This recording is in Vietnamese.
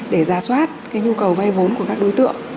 để giả soát nhu cầu vay vốn của các đối tượng